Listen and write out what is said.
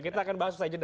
kita akan bahas itu saja